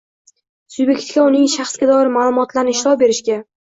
subyektga uning shaxsga doir ma’lumotlariga ishlov berishga